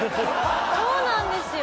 そうなんですよ。